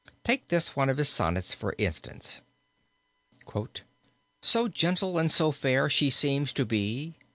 Take this one of his sonnets for instance. So gentle and so fair she seems to be.